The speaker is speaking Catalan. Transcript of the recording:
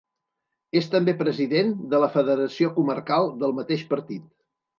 És també president de la Federació Comarcal del mateix partit.